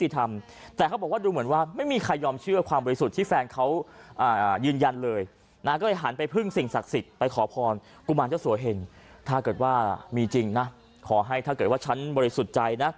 ถ้าเกิดว่ามีจริงนะขอให้ถ้าเกิดว่าฉันบริสุทธิ์ใจนะ